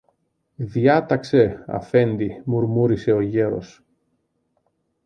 Διάταξε, Αφέντη, μουρμούρισε ο γέρος.